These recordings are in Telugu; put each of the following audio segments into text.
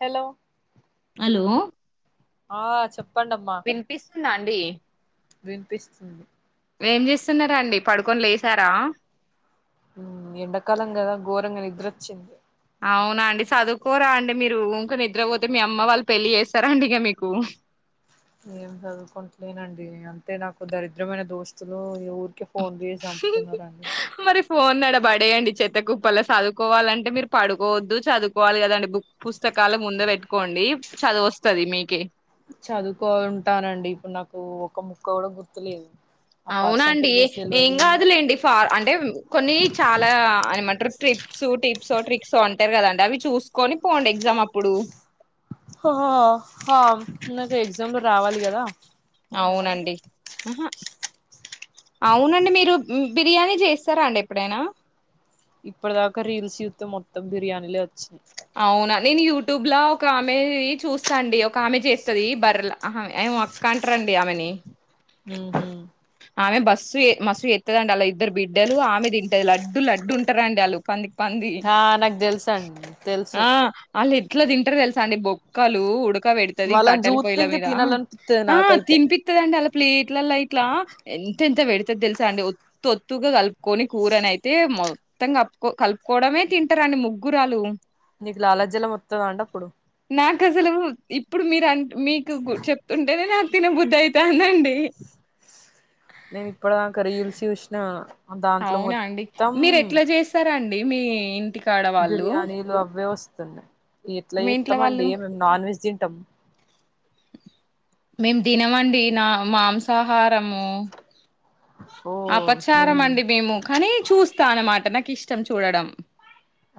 హలో అలో ఆ చెప్ ప్పండమ్మా న్నాండి వినిపిస్తుంది. ఏం చేస్తున్నరండి పడుకొని లేసారా మ్మ్ ఎండాకాలం కదా ఘోరంగా నిద్రొచ్చింది. అవునా అండి సదువుకోరా అండి మీరు ఉంక నిద్రపోతే మీ అమ్మ వాళ్ళు పెళ్ళి చేస్తరండి ఇగ మీకు ఏం చదువుకుంటలేనండి అంటే నాకు దరిద్రమైన దోస్తులు ఇగ ఊరికే ఫోన్ చేసి సంపుతున్నారండి. మరి ఫోన్ నెడ పడేయండి చెత్త కుప్పల్లో చదువుకోవాలంటే మీరు పడుకోవద్దు చదువుకోవాలి కదండి బుక్ పుస్తకాలు ముందు పెట్టుకోండి చదువు వస్తుంది మీకే చదువుకో ఉంటానండి ఇప్పుడు నాకు ఒక ముక్క కూడా గుర్తులేదు. ఆ అవునండి పర్సంటేజెస్ ఏం తెల్వదు కాదులేండి. అంటే కొన్ని చాలా ఏమంటారు ట్రిప్స్ టిప్స్ ఓ ట్రిక్స్ అంటారు కదాండి అవి చూసుకొని పోండి ఎగ్జామ్ అప్పుడు ఆ నాకు ఎగ్జామ్లు రావాలి కదా అవునండి అవునండి మీరు బిర్యానీ చేస్తారా అండి ఎప్పుడైనా ఇప్పటి దాకా రీల్స్ చూస్తే మొత్తం బిర్యానీలే వచ్చినాయి. అవునా నేను యూట్యూబ్ లో ఒక ఆమె చూస్తాండి. ఒక ఆమె చేస్తది బర్ ఆహా ఏం అక్క అంటారండి ఆమెని మ్హు ఆమె బస్సు మస్తు చేతదండి. ఇద్దరు బిడ్డలు ఆమె తింటారు లడ్డు లడ్డు ఉంటారండి ఆలు ప ఆ నాకు తెలుస అండి తెలుసు. ఆ ఆళ్ళు ఎట్లా తింటరూ తెలుసాండి బొక్కలు పెడుతది వాళ్ళని కట్టల చూస్తే పొయల ఇంకా మీద తినాలనిపిత్తది ఆ నాకైతే తినిపితద అండి ప్లేట్ ఇట్లలా ఇట్లా ఎంత ఎంత పెడతది తెలుసా అండి ఒత్తు ఒత్తుగా కలుపుకొని కూరన అయితే మొత్తం కకో కలుపుకోవడమే తింటారండి ముగ్గురాలు నీకు లాల జలం వతద అండి అప్పుడు నాకు అసలు ఇప్పుడు మీరు అ మీకు చెప్తుంటేనే తిన బుద్ధ అవుతందండి నేను ఇప్పుడు దాకా రీల్స్ చూసిన దాంట్లో అవునాండి మొత్తం మీరు ఎట్లా చేస్తారాండి దేమి ఇంటి బిర్యానీలో అవే వాస్ స్తున్నాయి ఎట్లా మీ ఇంట్లో వాళ్ళు ఏస్తామండి మేం నాన్ వెెజ్ తిం టం మేము తినమండి నా మాంసాహారము ఓ మేము అపచారం అండి మేము కానీ చూస్ స్తనమాట నాకు ఇష్టం చూడడం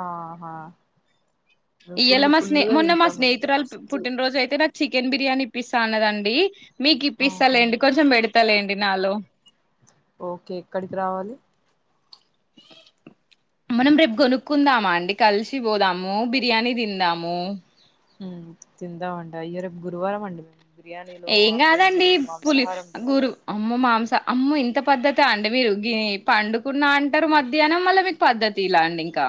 ఆహా మేము ఇయళ ఫుల్ మా స్నేహ ఫుల్గా మొన్న మా తింటామండి స్నేహితురాలు మస్తు పుట్టినరోజు అయితే నా చికెన్ బిర్యానీ ఇప్పిస్తా అన్నదండి మీకు ఇప్పస్తా ఆహా లెండి కొంచెం పెడి లేండి నాలో ఓకే ఎక్కడికి రావాలి మనం రేపు గొనుక్కుందామ అండి కలిసి పోదాము బిర్యానీ తిందాము తిందామం ఇ్య రేపు గురువారం అండి మే ఏం కాదండి పులి తినము గురు అమ్మ మాంస అమ్మ ఇంత పద్ద్దత అండి మీరు పండుకున్న అంటారు మధ్యాహ్నం మళ్ళీ మీకు పద్ద్దతి ఇలా అండి ఇంకా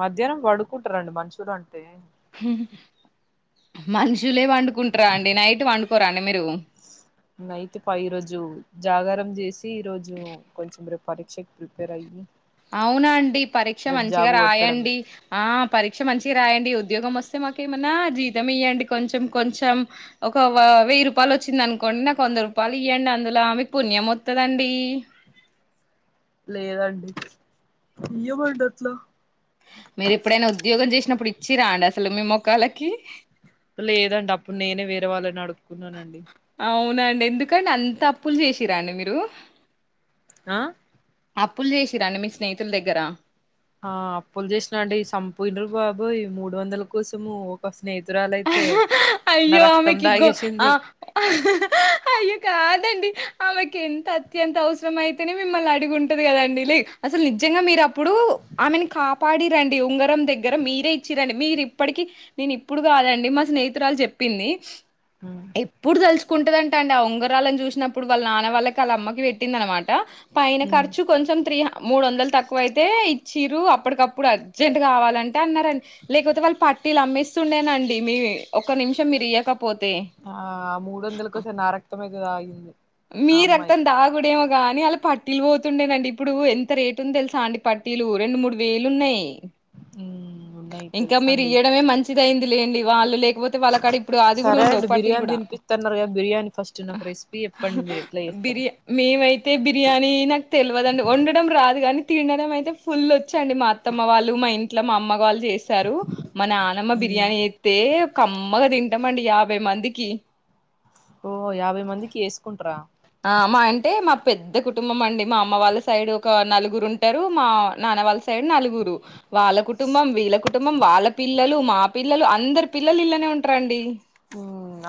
మధ్యాహ్నం పడుకుంటారండి మనుషులు అంటే మనుష్ మీరు నైట్ పా ఈరోజు జాగారం చేసి ఈరోోజు కొంచెం ర పరక్ష కి ప్రిపేయర్య అవునా అండి పరీక్ష మంచిగా కొట్టడమే రాయండి ఆ పరీక్ష మంచిగా రాయండి ఉద్యోగం వస్తే మాక ఏమైనా జీతం ఇయ్యండి కొంచెం కొంచెం ఒక వెయ్యి రూపాయలు వచ్చింది అనుకోండి నాకు వంద రూపాయలు ఇయ్యండి అందులో మీకు పుణ్యం వతుదండి లేదండి మీరు ఎప్పుడైనా ఉద్యోగం చేసినప్పుడు ఇచ్చిరా అండి అసలు మీ మొక్కాలకి లేదండి అప్పుడు నేనే వేరేవాళ్ళని అడు కున్నానండి నా అండి ఎందుకండి అంత అప్పులు చేసిరా అండి మీరు ఆ అప్పులు చేసిరండి మీ స్నేహితుల దగ్గర ఆ అప్పులు చేసినా అండి సంపూయిను బాబోయ మూడు వందల కోసము ఒకస అయ్యో రక్తం ఆమెకిగో ఆ తాగేసింది అయ్యో కాదండి ఆమెకి ఎంత అత్యంత అవసరం అయితేనే మిమ్మల్ని అడిగుంటది కదండి లే అసలు నిజంగా మీరు అప్పుడు ఆమెను కాపాడిరండి ఉంగరం దగ్గర మీరే ఇచ్చిరండి మీరు ఇప్పటికిీ నేను ఇప్పుడు కాదండి మా స్నేహితురాలు చెప్పింది ఎప్పుడు తలుచుకుంటద అండి ఉంగరాలని చూసినప్పుడు వాళ్ళ నాన్న వాళ్ళకలా అమ్మకి పెట్టింది అనమాట పైన ఖర్చు కొంచెం త్రీ హన్ మూడు వందలు తక్కువ అయితే చిరు అప్పటికప్పుడు అర్జెంట్ కావాలంటే అన్నారండి లేకపోతే వాళ్ళు పట్టీలు అమ్మేస్తుండే అండి మీ ఒక నిమిషం మీరు ఇయక ఆ మూడు వందల కోసం నా రక్తం అయితే తాగింది ఆ అమ్మాయి కానీ అలా పట్టీలు పోతుండేనండి ఇప్పుడు ఎంత రేటు ఉంది తెలుసా అండి పట్టీలు రెండు మూడు వేలు ఉన్నాయ్ ఉన్నాయి ఇంకా మీరు తెలుసండి ఇయ్యడమే మంచిది అయింది లేండి వాళ్ళు లే పోతే వాళ్ళ కాడ ఇప్పుడు అది కూడా సరే వద్దు వద్దు వాళ్లకాడ ఇప్పుడు అది కూడా ఉండవు అండి పట్టీలు బిర్యానీ కూడా తినిపిస్తున్నారు కదా బిర్యానీ ఫస్ట్ నాకు రెసిపీ చెప్పండి మీరు ఎట్లా చేస్తారు బిర్యా మేమైతే బిర్యానీ నాకు తెలవదండి వండడం రాదు కానీ తినడం అయితే ఫుల్ వచ్చండి మా అత్తమ్మ వాళ్ళు మా ఇంట్లో మా అమ్మ వాళ్ళు చేస్తారు మా నానమ్మ బి బిర్యానీ అయితే కమ్మగా తి ఉంటామండి యాభై మందికి ఓ యాభై మందికి ఏసుకుంటరా మా అమ్మ అంటే మా పెద్ద కుటుంబం అండి మా అమ్మ వాళ్ళ సైడ్ ఒక నలుగురు ఉంటారు మా నాన్న వాళ్ళ సైడ్ సైడ్ నలుగురు వాళ్ళ కుటుంబం వీళ్ళ కుట్ కుటుంబం వాళ్ళ పిల్లలు మా పిల్లలు అందరు పిల్లలు ఇలానే ఉంట్రాండి ఓ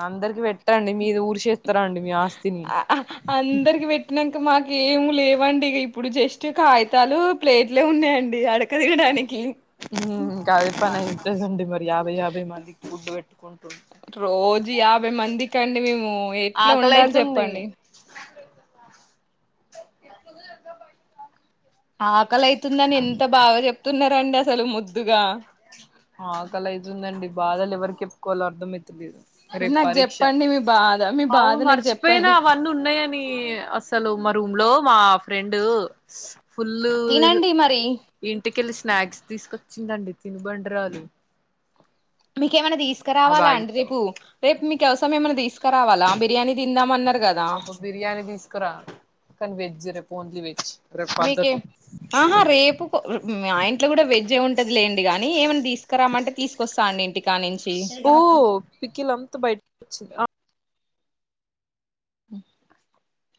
అందరికి పెట్టండి మీది ఊరు చే అ అందరికి పెట్టినాక ఇక మాకు ఏం లేవండి ఇక ఇప్పుడు జస్ట్ కాగితాలు ప్లేట్లే ఉన్నాయండి అడుక్కుతినడానికి గాదె పనైతండి మరియా యాభై మందికి ఫుడ్ పెట్టు రోజు యాభై మందికండి మేము ఎట్లా ఆకలి వండాలి అయితుంది చెప్పండి [unintelligible] ఆ ఆకలైతుందని ఎంత బాగా చెప్తున్నారండి అసలు ముద్దుగా ఆకలైతుందండి బాధలు ఎవరికి చెప్పుకోవాలో అర్థమై రేపు నాకు పరీక్ష చెప్పండి మీ బాధ మీ అవు బాధ నాకు మర్చిపోయినా చెప్పండి అవన్నీ ఉన్నాయని అసలు మ రూమ్ లో మా ఫ్రెండు ఫుల్లు తినండి మరి ఇంటికెల్లు స్నాక్స్ తీసుకొచ్చిందండి తినుబండరాలు మీకేమన్నా తీ ఆ తీస్కరావాలా బ్యాగ్ అండి ఇత్తావా రేపు మీ కోసం ఏమై తీసుకో రావాలా బిర్యానీ తిందామన్నారు కదా అబ్బ జ రేపు ఓన్లీ వెజ్ రేపు మీకే పద్ధతి ఆహా రేపు మా ఇంట్లో కూడా వెజ్జె ఉంటది లేండి కానీ ఏమన్నా తీసుకురామంటే తీసుకొస్తా అండి ఇంటికానుంచి ఓ పికిల్ అంతా బయట వచ్చింది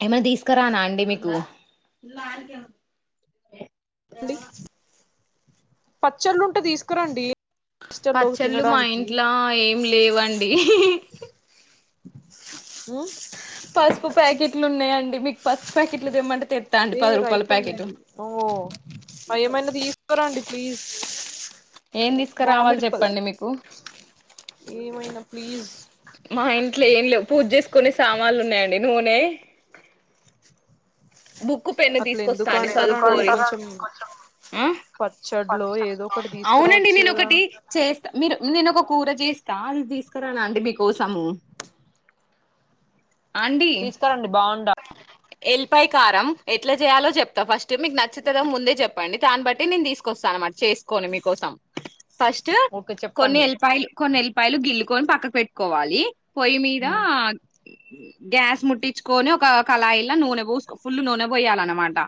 ఏమనా తీసుకురానా అండి మీకు అండి పచ్చళ్ళుంటే తీసుకురండి హాస్టల్లో పచ్చళ్ళు మా తినడానికి ఇంట్లో ఏం లేవండి ఉమ్ పసుపు ప్యాకెట్లు ఉన్నయండి మీ పసుపు ప్యాకెట్లు తెమ్మంటే తెత్తా అండి ఏ పది రూపాయల ప్యాకెట్ రైపయింది ఓ అ ఏమైనా తీసుకురాండి ప్లీజ్ ఏం తీసుకురావాలి మామిడిపల్ చెప్పండి మీకు ఏమైనా ప్లీజ్ మా ఇంట్లో ఏం లేవు పూజ చేసుకునే సామాన్లు ఉన్నాయండి నూనె బుక్ పెన్ను అట్ల తీసుకొస్తా ఎందుకు అండి చదుకో అంటారండి కొంచెం [unintelligible] పచ్చడ్లో ఏదో ఒకటి అవునండి తీసుకురావచ్చు నేను ఒక కదా ఒకటి చేస్తా మీరు నేను ఒక కూర చేస్తా అది తీసుకురాను అంటడి మీకోసము ఆడి తీసుకురండి బాగుండ ఎల్ పై కారం ఎట్లా చేయాలో చెప్తా ఫస్ట్ మీకు నచ్చిత ముందే చెప్పండి దాన్ని బట్టి నేను తీసుకొస్తానునమాట చేసుకోొని మీకోసం ఫస్ట్ ఓకే కొన్ని చెప్పండి ఎల్లిపాయలు కొన్ని ఎల్లిపాయలు గిల్లు కొని పక్క పెట్టుకోవాలి పొయ్యి మీద ఉమ్ గ్యాస్ ముట్టించుకొని ఒక కళాయిలా నూనె పూసి ఫుల్లు నూనె పోయాలన్నమాట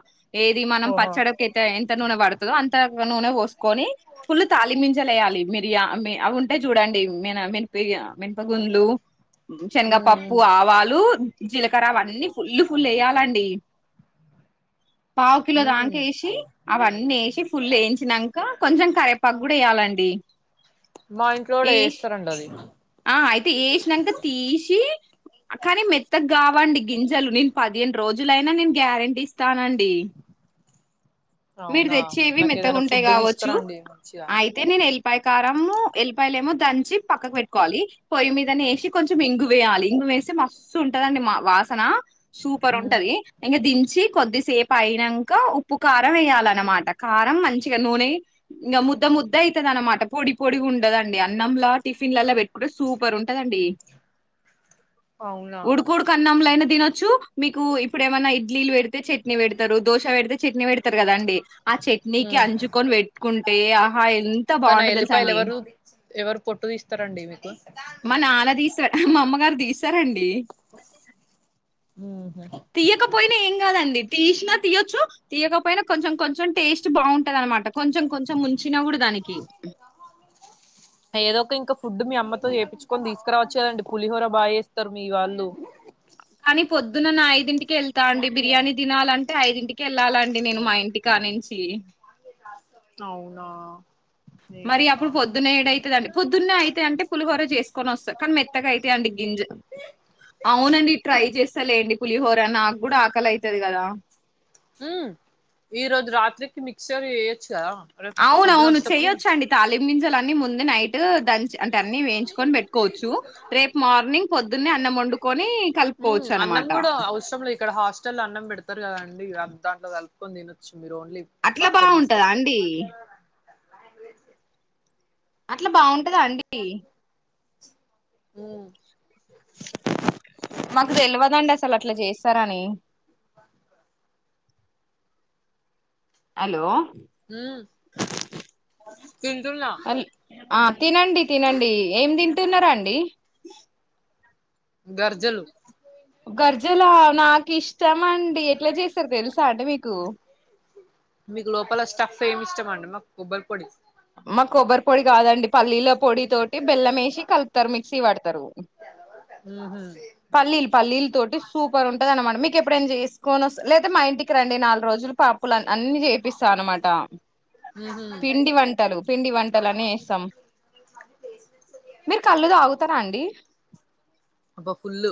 ఏది మనం ఓహో పచ్చడికి ఎంత నూనె పడుతుందో అంత నూనె పోసుకొని ఫుల్ తాలిమంజలుయాలి మిరియా అవి ఉంటే చూడండి మిన మప మనపగుంలు ఉమ్ శనగపప్పు ఆవాలు జీలకర్ర అవన్నీ ఫుల్ ఫుల్ వేయాలండి [unintelligible] పావు కిలో ఉమ్ దాంకా ఉమ్ వేసి అవన్నీ వేసి ఫుల్ వేయించినాక కొంచెం కరవేపాకు కూడా వేయ్యాలండి మా ఇంట్లో ఏ కూడా చేస్తారండి అది అయితే వసినాక తీసి కానీ మెత్త కావండి గింజలు నేను పదిహేను రోజులు జులైనా నేను గ్యారెంటీ ఇస్తానండి మీరు అవునా తెచ్చేవి నాకు ఏదైనా మేతగుంటాయి ఫుడ్ కావచ్చు తీసుకురండి మంచిగా అయితే నేను వెల్ ఉల్లిపాయకారము ఎల్లిపాయలుమో దంచి పక్కకు పెట్టుకోవాలి పోయ్యి మీదనే వేసి కొంచెం ఇంగు వేయాలి ఇంగు వేసి మస్తు ఉంటదండి మ వాసన సూపర్ ఉమ్ ఉంటది ఇంకా దించ చ్చి కొద్దిసేపు అయినంక ఉప్పు కారం కారం వేయాలనమాట కారం మంచిగా నూనె ఇంకా ముద్ద ముద్ద అయితది అనమాట పొడి పొడి ఉండదండి అన్నంలా టిఫిన్లలా పెట్టుకుంటే సూపర్ ఉంటదండి అవునా ఉడుకుడుకున్నంలో అయినా తినొచ్చు మీకు ఇప్పుడు ఏమైన్నా ఇడ్లిలు పెడితే చట్నీ పెడుతరు దోశ పెడితే చట్నీ పెడతరు కదండి ఆ చట్నీకి ఉమ్ అంచుకొని పెట్టుకుంటే ఆహా ఎంత కానీ ఆ బాగుంటో తెలుసా ఎల్లిపాయలు అండి ఎవరు ఎవరు పొట్టు ఇస్తారంండి మీకు మా నాన్న తీస్తారు మా అమ్మగారు తీస్తారండి ఉహు తీయకపోయినా ఏం కాదండి తీసినా తీయొచ్చు తీయకపోయినా కొంచెం కొంచెం టేస్ట్ బాగుంటది అనమాట కొంచెం కొంచెం ముంచిన కూడా దానికి ఏదో ఒక ఇంకా ఫుడ్ మీ అమ్మతో చేపించుకొని తీసుకురావచ్చు కాదండి పులిహోర బాగాచెస్తారు మీ వాళ్ళు కానీ పొద్దునన ఐదింటికి వెళ్తా అండి బిర్యానీ తినాలంటే ఐదింటికి వెళ్లాలండి నేను మా ఇంటికి కా నించి అవునా మరి అప్పుడు ఇంకా పొద్దున్న ఏదయితడండి పొద్దున్న అయితే అంటే పులిహోర చేసుకొని వస్తంది కానీ మెత్తగా అయితయండి గింజలు అవునండి ట్రై చేస్త అసలేండి పులిహోర నాకు కూడా ఆకలి అయితదికదా మ్ ఈ రోజు రాత్రికి మిక్సర్ చేయచ్చుగాద అవునవును చేయచండి తాలింపు గింజలన్నీ ముందే నైట్ దంచి అంటే అన్ని వేయించుకొని పెట్టుకోవచ్చు రేపు మార్నింగ్ పొద్దున్న అన్నం వండుకొని హ్మ్ కలుపుకోవచ్చు అన్నం అనమాట కూడా అవసరం లేదు ఇక్కడ హాస్టల్ అన్నం పెడతారుకాందండి ఇగ దాంట్లో కలుపుకొని తినొచ్చు మీరు ఓన్లీ అట్లా పచ్చడి బాగుంటదా తీసుకొస్తే అండి అట్లా బాగుంటదా అండి హుమ్మ్ మాకు తెలివదండి అసలు అట్లా చేసి చేస్తారని హలో మ్ తింటున్న అల్- ఆ తినండి తినండి ఏం తింటున్నారండి గర్జలు గర్జలా నాకు ఇష్టం అండి ఎట్లా చేసారు తెలుసా అంటడి మీకు మీకు లోపల స్టఫ్ ఏమి ఇష్టంమండి మాకు కొబ్బరి పొడి మా కొబ్బరి పొడి కాదండి పల్లీల పొడి తోటి బెల్లం వేసి కలుపుతారు మిక్సీ వాడతారు ఊహూ పల్లీలు పల్లీల తోటి సూపర్ ఉంటది అనమాట మీకు ఎప్పుడైం చేస్త సుకొనొస్తా మా ఇంటికి రండి నాలుగు రోజులు పాప్పులు అన్ని చేపిస్తా అన్నమాట ఊహూ పిండి వంట పిండి వంటలుని చేస్తాం మీరు కళ్ళు తాగుతారా అండి అబ ఫుల్లు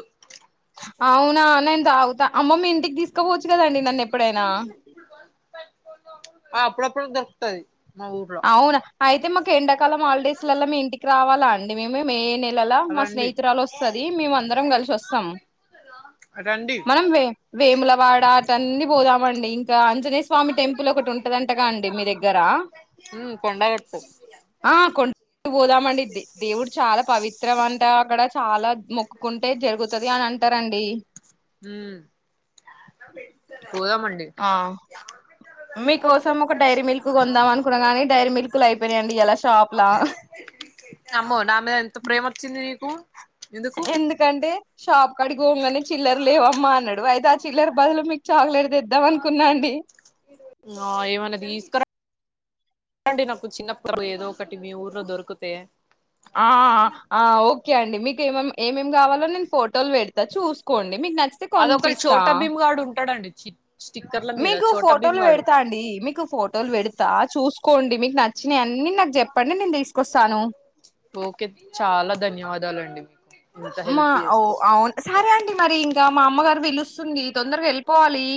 అవునా నేను తాగుతా అమ్మమ్మ ఇంటికి తీస్ ఇక్కపోవచ్చు కదండి నన్ను ఎప్పుడైనా స్తది అవునా అయితే మాకు ఎండాకాలం హాలిడేస్ ల్లా మీ ఇంటికి రావాల లాండి మేమే ల్లల మా రండి స్నేహితురాలు వస్తుంది మేము అందరం కలిసి వస్తాం రండి మనం వేములవాడ అటన్నీ పోదామ అండి ఇంకా అంజనే స్వామి టెంపుల్ ఒకటి ఉంటదంటగా అండి మీ దగ్గర ఉమ్ కొండగట్టు ఆ కొం పోదామండిది దేవుడు చాలా పవిత్రం అంట అక్కడ చాలా మొక్కుకుంటే జరుగుతది అని అంటరండి ఉమ్ పోదామండి మీకోసం ఒక డైరీ మిల్క్ కొందాం అనుకున్నా గాని డైరీ మిల్క్లు అయిపోనాయండి ఇలా షాప్లా కు ఎందుకంటే షాప్ అడిగగానే చిల్లర లేవమ్మా అన్నాడు అయితే చిల్లర్ బదులు మీక్ చాక్లెట్ తెద్దాం అనుకున్నా అండి ఆ ఏమన్నా తీసుకరా అంటే నాకు చిన్న ప ఏదో ఒకటి మీ ఊర్లో దొరికితే ఆ ఆ ఓకే అండి మీకేమ ఏఎం ఏం కావాలో నేను ఫోటోలు పెడతా చూసుకోండి మీకు నచ్చితే కొనిపిస్తా చిట్ మీకు ఫోటోలు పెడతా అండి మీకు ఫోటోలు పెడతా చూసు కోండి మీకు నచ్చినవి అన్నీ నాకు చెప్పండి నేను తీసుకొస్తాను ఓకే చాలా ధన్యవాదాలండి ఇంత మా హెల్ప్ ఓ చేస్తురు అవును సరే అండి మరి ఇంకా మా అమ్మగారు పిలుస్తూ చంది తొందరగా వెళ్ిపోవాలి